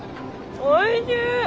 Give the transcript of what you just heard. おいしい！